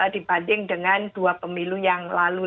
dibanding dengan dua pasangan calon yang berkualitas